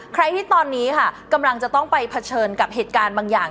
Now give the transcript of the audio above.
ใครที่ตอนนี้ค่ะกำลังจะต้องไปเผชิญกับเหตุการณ์บางอย่าง